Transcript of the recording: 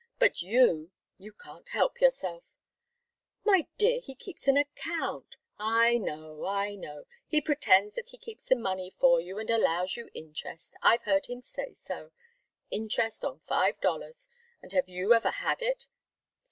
But you! You can't help yourself " "My dear, he keeps an account " "I know, I know! He pretends that he keeps the money for you and allows you interest! I've heard him say so. Interest on five dollars. And have you ever had it?